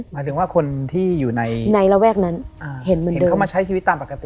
หมายถึงว่าคนที่อยู่ในอเรนนี่ในระแวกนั้นเห็นเหมือนเดิมอเจมส์เห็นเขามาใช้ชีวิตตามปกติ